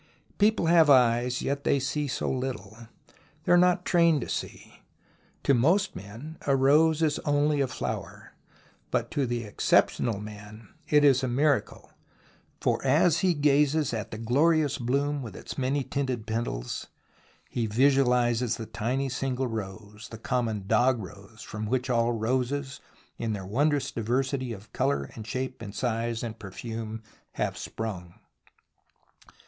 People have eyes, yet they see so Httle. They are not trained to see. To most men a rose is only a flower, but to the exceptional man it is a miracle, for as he gazes at the glorious bloom with its many tinted petals he visualizes the tiny single rose — the common dog rose — from which all roses in their wondrous diversity of colour and shape and size and perfume have sprung.